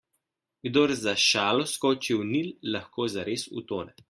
Kdor za šalo skoči v Nil, lahko zares utone.